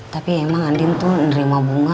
tapi emang andien tuh ngerima bunga